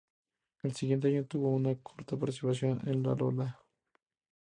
El siguiente año tuvo una corta participación en "Lalola".